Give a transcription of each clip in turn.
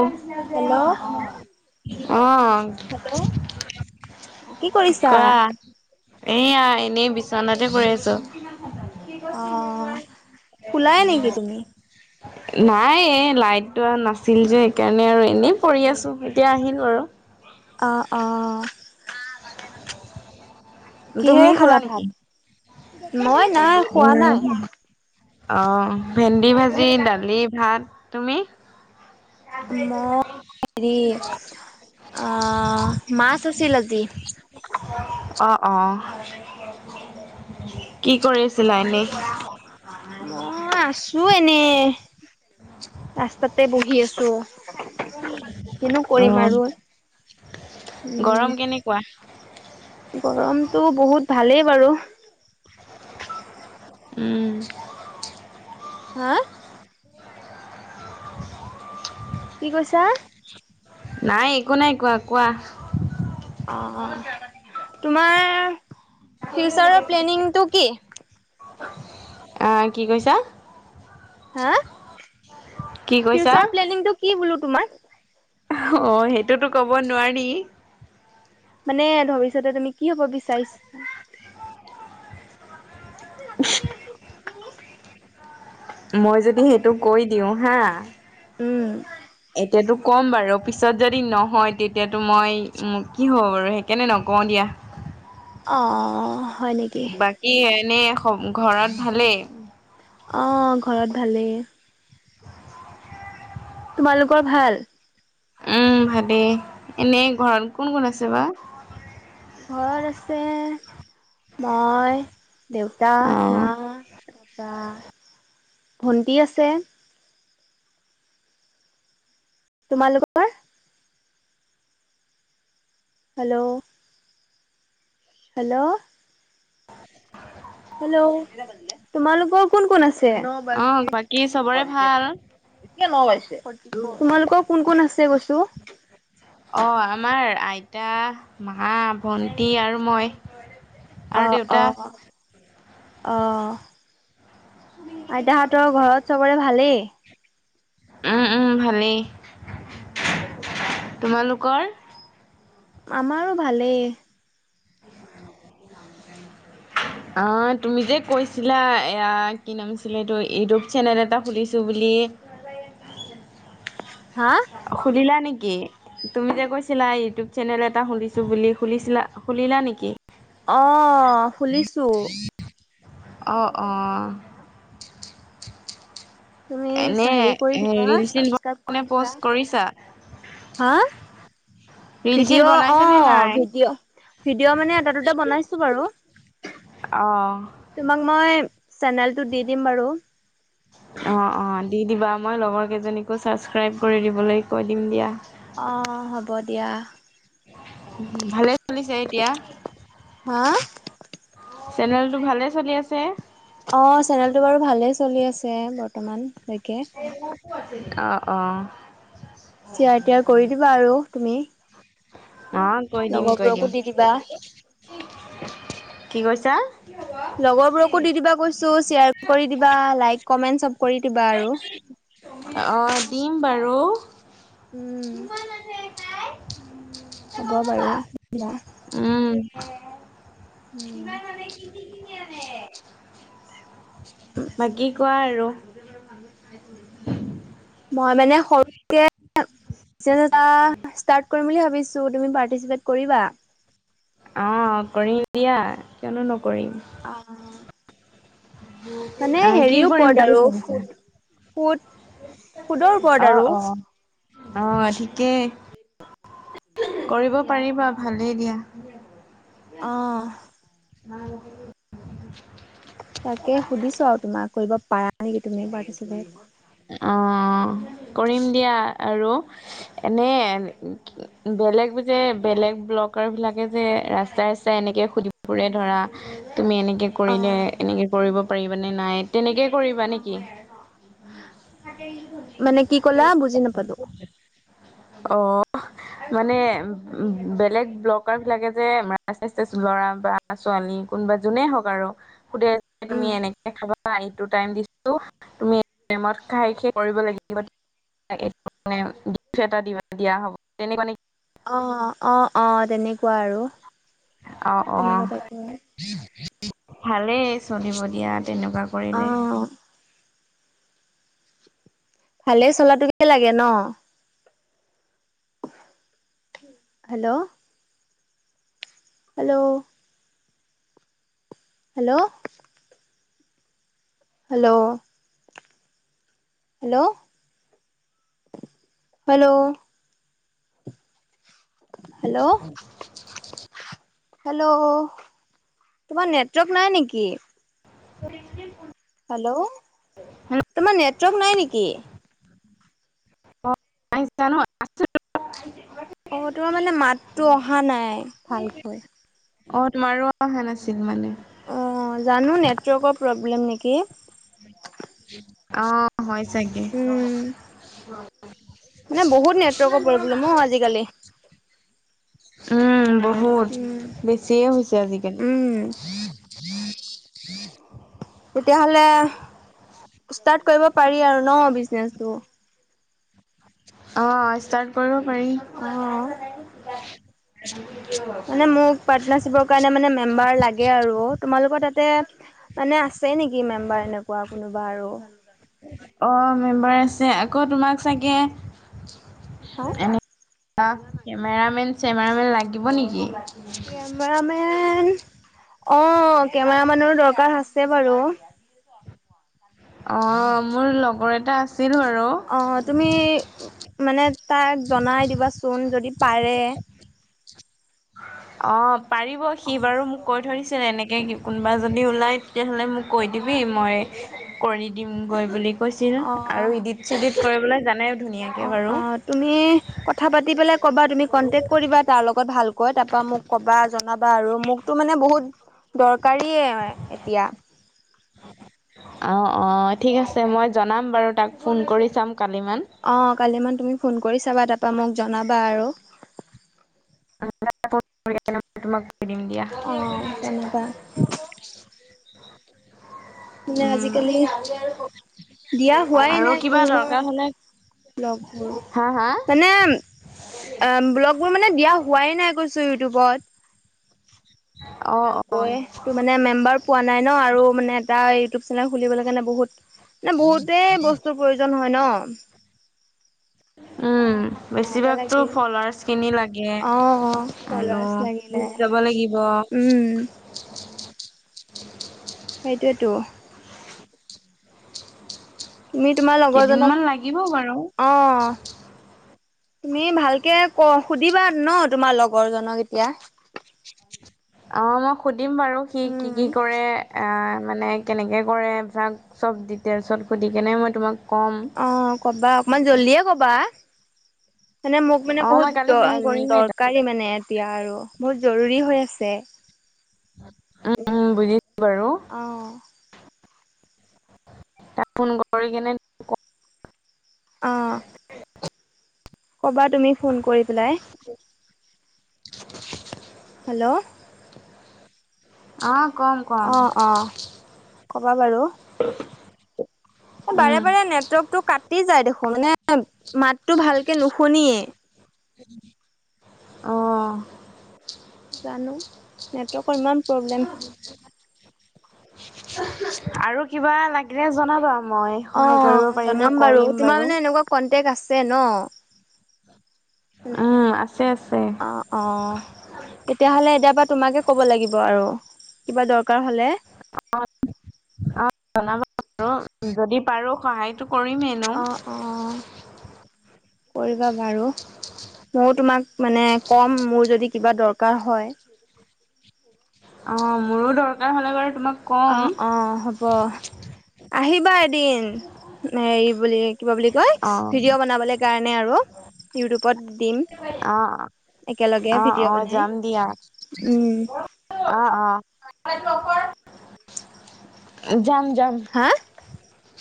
অ'। Hello কি কৰিছা? কোৱা, এয়া এনেই বিচনাতে পৰি আছো। অ' শুলাই নেকি তুমি? নাই, এই লাইটোও নচ নাছিল যে, সেইকাৰণে আৰু এনেই পৰি আছো এতিয়া আহিল বাৰু। অহ, অহ। তুমি শুলা নেকি? মই নাই খোৱা নাই। উম। অ' ভেন্দি ভাজি, দালি ভাত। তুমি? মই হেৰি [inaudible] অ' মাছ আছিল আজি। অঁ অঁ। মই, আছোঁ এনে। ৰাস্তাতে বহি আছোঁ। অ', উম, গৰম কেনেকুৱা? গৰমটো বহুত ভালেই বাৰু। উম, হা? [inaudible] কি কৈছা নাই একো নাই কোৱা কোৱা। অ তোমাৰ ফিউচাৰৰ প্লেনিংটো কি অ কি কৈছা হা কি কৈছা? ফিউচাৰ প্লেনিংটো কি বোলো তোমাৰ অ সেইটোতো ক'ব নোৱাৰি মানে ভৱিষ্যতে তুমি কি হ'ব বিচাৰিছ [unintelligible] মই যদি সেইটো কৈ দিওঁ হা উম এতিয়াতো ক'ম বাৰু পিছত যদি নহয় তেতিয়াতো মই কি হ'ব বাৰু সেইকাৰণে নক কও দিয়া অ হয় নেকি বাকী এনে ঘৰত ভালেই অহ ঘৰত ভালেই তোমালোকৰ ভাল উম ভালেই, এনে ঘৰত কোন কোন আছে বা? ঘৰত আছে, মই দেউতা, মা, অ বা, ভণ্টি আছে। তোমালোকৰ? হেল্ল' হেল্ল' হেল্ল' তোমালোকৰ কোন কোন আছে? বাকী চবৰে ভাল? [unintelligible] তোমালোকৰ কোন কোন আছে কৈছো? অ', আমাৰ? আইতা, মা, ভণ্টি আৰু মই। আৰু অ', দেউতা অ, আছে। অ, আইতা হঁতৰ ঘৰত চবৰে ভালেই? উম, উম, ভালেই। [inaudible] তোমালোকৰ? আমাৰো ভালে। অ', তুমি যে কৈছিলা এয়া কি নাম আছিলে এইটো ইউটিউব চেনেল এটা খুলিছোঁ বুলি। [unintelligible] হা? সুধিলা নেকি, তুমি যে কৈছিলা ইউটিউব চেনেল এটা খুলিছোঁ বুলি খুলিছিলা, খুলি খুলিলা নেকি? অ', খুলিছোঁ। অ', অ, তুমি এনে হেৰি কৰি দিবা, ৰিল চিল ছাবস্ক্ৰাইব মানে কৰি দিবা। প'ষ্ট কৰিছা? হা। ৰিল চিল ভিডিঅ' বনাইছে নে অ', নাই? ভিডিঅ', ভিডিঅ' মানে এটা, দুটা বনাইছো বাৰু। অ', তোমাক মই, চেনেলটো দি দিম বাৰু। অ', অ', দি দিবা, মই লগৰ কেইজনীকো ছাবস্ক্ৰাইব কৰি দিবলৈ কৈ দিম দিয়া। অ', হ'ব দিয়া। ভালে চলিছে এতিয়া। হা চেনেলটো ভালে চলি আছে? অ', চেনেলটো বাৰু ভালেই চলি আছে, বৰ্তমান। অ' অ' চেয়াৰ তিয়াৰ কৰি দিবা আৰু তুমি অ' কৈৰ দিম কৈৰ লগৰবোৰকো দিম দি দিবা কি কৈছা? লগৰবোৰকো দি দিবা কৈছোঁ শ্বেয়াৰ কৰি দিবা লাইক কমেণ্ট চ'ব কৰি দিবা আৰু আহ দিম বাৰু। উম। তাই হ'ব বাৰু দিয়া। অহ' কিবা মানে কি কি কিনি কিনি আনে। বাকী কোৱা আৰু মই মানে সৰুকে। চেনেল এটা ষ্টাৰ্ট কৰিম বুলি ভাবিছোঁ। তুমি পাৰ্টিচিপেট কৰিবা? আহ কৰিম দিয়া, কিয়নো নক আহ মানে আহ, কি হেৰি কৰিম ওপৰত বুলি আৰু ভাবিছা? সোত পোত পোদৰ ওপৰত আৰু আহ থিকেই কৰিব পাৰিবা ভালেই দিয়া। অহ' [unintelligible] তাকে সুধিছোঁ আৰু তোমাক কৰিব পাৰা নেকি তুমি পাৰ্টিচিপেট। অ' কৰিম দিয়া আৰু এনে বেলেগ যে বেলেগ ব্লকাৰ বিলাকে যে ৰাস্তা ৰাস্তা এনেকে সুধিব ফোৰে ধৰা তুমি এনেকে কৰিলে অ', এনেকে কৰিব পাৰিবানে নাই তেনেকে কৰিবা নেকি? মানে কি ক'লা বুজি নাপালো? আহ মানে উম, বেলেগ ব্লকাৰ বিলাকে যে মাচেছ ল'ৰা বা ছোৱালী কোনোবাই যোনে হক আৰু সুধে তুমি উম, এনেকে খাব টাইম টাইমটো দিছোঁ তুমি প্ৰেমত খাই শেষ কৰিব লাগিব। [unintelligible] মানে গিফ্ট এটা দিয়া হ'ব, তেনেকুৱা নেকি? অ', অ', অ', তেনেকুৱা আৰু। অ', তেনেকুৱা অ', টাইপৰ। ভালেই, চলিব দিয়া। তেনেকোৱা কৰিলে। অ', ভালে চলাতোকে লাগে ন। Hello. Hello. Hello. Hello. Hello, hello. Hello [inaudible] hello, তোমাৰ নেটৱৰ্ক নাই নেকি? [inaudible] হেল্ল' তোমাৰ নেটৱৰ্ক নাই নেকি? প জানো আ। অ তোমাৰ মানে মাততো অহা নাই ভালকৈ অ তোমাৰো অহা নাছিল মানে। অ জানো নেটৱৰ্কৰ প্ৰব্লেম নেকি? আহ হয় চাগে, উম মানে বহুত নেটৱৰ্কৰ প্ৰব্লেম অ আজিকালি। উম বহুত উম বেছিয়ে হৈছে আজিকালি। উম। তেতিয়াহলে ষ্টাৰ্ট কৰিব পাৰি আৰু ন বিজনেচটো অ ষ্টাৰ্ট কৰিব পাৰি। অ মানে মোক পাৰ্টনাৰশ্বিপৰ কাৰণে মানে মেম্বাৰ লাগে আৰু তোমালোকৰ তাত, মানে আছে নেকি মেম্বাৰ এনেকুৱা কোনোবা আৰু? অ', মেম্বাৰ আছে আকৌ তোমাক চাগে, হা এনে কেমেৰা মেন চেমেৰামেন লাগিব নেকি? কেমেৰামেন, অ কেমেৰা মানৰো দৰকাৰ আছে বাৰু, অ মোৰ লগৰ এটা আছে, অ তুমি মানে তাক জনাই দিবাচোন যদি পাৰে অ পাৰিব সি অ' বাৰু মোক কৈ থৈছে - - এনেকৈ কোনোবা যদি ওলায় তেতিয়াহ'লে মোক কৈ দিবি মই কৰি দিম গৈ বুলি। কৈছিল অ' আৰু ইডিত চিডিত কৰিবলৈ জানে। ধুনীয়াকে অ বাৰু। অ তুমি কথা পাতি পেলাই কবা তুমি কন্টেক কৰিবা তাৰ লগত ভাল। কয় তাৰ পৰা মোক কবা জনাবা আৰু মোকতো মানে বহুত দৰ কাৰীয়ে এতিয়া। অ', অ', ঠিক আছে মই জনাম বাৰু তাক ফোন কৰি চাম। কালিমান। অ, কালি মান তুমি ফোন কৰি চাবা তাৰপৰা মোক জনাবা আৰু। [unintelligible] [unintelligible] দিম দিয়া। অ', জনাবা। মানে উম, আজিকালি দিয়া হোৱাই আৰু নাই কিবা মোৰ দৰকাৰ ন' হ'লে ব্লগবোৰ হা, হা? মানে [unintelligible] ব্লগবোৰ মানে দিয়া হোৱাই নাই কৈছোঁ ইউটিউবত। অ', ভালকৈ অ', তো মানে মেম্বাৰ পোৱা নাই ন, আৰু মানে এটা ইউটিউব চেনেল খুলিবলৈ কাৰণে বহুত মানে বহুতেই বস্তুৰ প্ৰয়োজন হয় ন' উম, কেমেৰা এটা বেছিভাগতো লাগিল ফলৱাৰছ কিনি লাগে অ', অ', আৰু ফলোৱাৰ্চ লাগিলে। গুপ যাব লাগিব। উম, [inaudible] [unintelligible] সেইটোৱেটো তুমি তোমাৰ কেইদিনমান লাগিব বাৰু। লগৰজনক অহ' তুমি ভালকে ক সুধিবা ন তোমাৰ লগৰ জনক এতিয়া অ' মই সুধিম বাৰু সি কি উম কি কৰে আহ মানে কেনেকৈ কৰে ভাক চ'ব ডিটেইলছত সুধিকেনে মই তোমাক ক'ম। অ' কবা অকমান জল্দিয়ে কবা। মানে মোক মানে অ', বহুত মই কালি দ ফোন কৰিমেই তাক, দৰকাৰী মানে এতিয়া আৰু বহুত জৰুৰী হৈ আছে। উম, বুজিছোঁ বাৰু। অ তাক ফোন কৰি কেনে ক'ৰ অ [unintelligible] ক'বা তুমি ফোন কৰি পেলাই হেল্ল' অহ' কম কম অ অ কবা বাৰু বাৰে উম, বাৰে নেটৱৰ্কটো কাট কাটি যায় দেখোন, মানে মাতটো ভালকে নুশুনিয়েই। অহ' জানোঁ নেটৱৰ্কৰ ইমান প্ৰব্লেম আৰু কিবা লাগিলে জনাবা? মই সহায় কৰিব অ' পাৰিলে জনাম বাৰু কৰিম তোমাৰ মানে এনেকুৱা কন প্ৰেক আছে ন উম, আছে আছে। অ' অ' তেতিয়া হ'লে এতিয় পৰা তোমাকে ক'ব লাগিব আৰু কিবা দৰকাৰ হ'লে [unintelligible] জনাব বাৰু যদি পাৰোঁ সহায়টো কৰিম এনেও। অ' অ' কৰিবা বাৰু, মইও তোমাক মানে কম মোৰ যদি কিবা দৰকাৰ হয়। অ' মোৰো দৰকাৰ হ'লে বাৰু তোমাক ক'ম। অহ' অ' হ'ব আহিবা এদিন হেৰি বুলি কিবা বুলি কয় অ'। ভিডিঅ' বনাবলৈ কাৰণে আৰু ইউটিউবত দিম আহ একেলগে আহ ভিডিঅ' অ' বনাই যাম দিয়া। উম। অ' অ' লাইট টোৰ অফ কৰ, যাম যাম। হা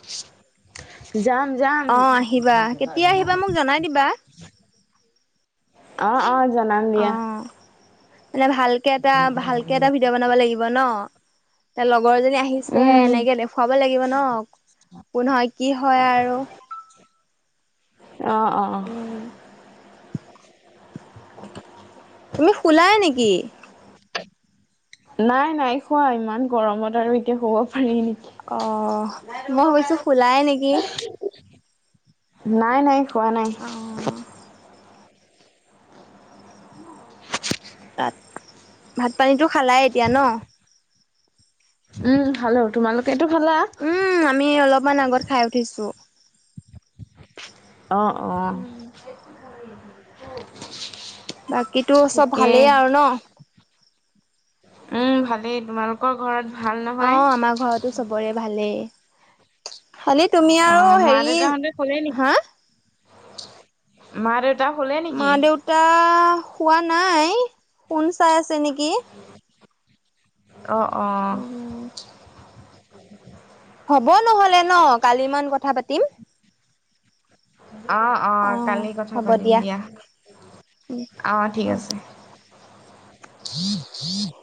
[inaudible] যাম, যাম। অ', আহিবা কেতিয়া আহিবা মোক জনাই দিবা অ' অ' জনাম দিয়া। অ'। মানে ভালকে এটা ভালকে এটা ভিডিঅ' বনাব লাগিব ন লগ লগৰজনী আহিছে উম, এনেকে দেখুৱাব লাগিব ন। কোন হয়, কি হয় আৰু আহ অ' অহ' উম তুমি শুলাই নেকি নাই নাই শুৱা ইমান গৰমত আৰু এতিয়া শুৱ উম, অ গাড়ী মই ৰুকো ভাবিছো গাড়ী শুলাই নেকি নাই নাই খোৱা নাই। অ তাত ভাত পানীটো খালাই এতিয়া ন। উম, খালো তোমালোকেতো খালা? উম, আমি অলপমান আগত খাই উঠিছোঁ। অ' অ' বাকীতো চব ঠিকেই। ভালেই আৰু ন। উম ভালেই তোমালোকৰ ঘৰত ভাল অ নহয়? আমাৰ ঘৰতো চবৰে ভালেই। খালি তুমি অ আৰু মা হেৰি দেউতা হতে শুলে নেকি? হা মা দেউতা শুলে নেকি? মা দেউতা সোৱা নাই। ফোন চাই আছে নেকি? অ, অ উম হ'ব নহলে ন কালি মান কথা পাতিম। অ অ কালি কথা পাতিম দিয়া উম অহ ঠিক অ আছে। [unintelligible]